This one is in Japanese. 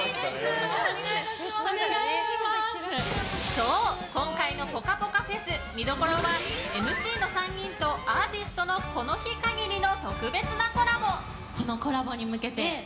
そう、今回のぽかぽかＦＥＳ見どころはＭＣの３人とアーティストのこの日限りの特別なコラボ。